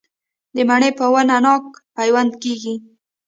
د مڼې په ونه ناک پیوند کیږي؟